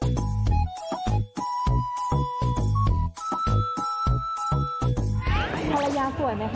ธรรยาสวยไหมคะวันนี้